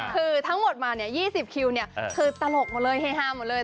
คือทั้งหมดมาเนี่ย๒๐คิวเนี่ยคือตลกหมดเลยเฮฮาหมดเลย